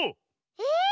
え！